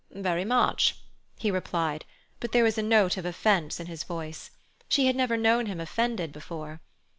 "Very much," he replied, but there was a note of offence in his voice; she had never known him offended before.